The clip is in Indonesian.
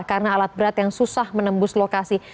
karena alat berat yang susah menembus lokasi